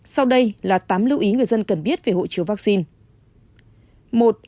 sau đây là tám lưu ý người dân cần biết về hộ chiếu vaccine